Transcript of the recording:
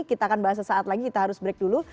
kita akan bahas sesaat lagi kita harus break dulu